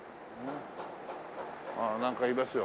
ああなんかいますよ。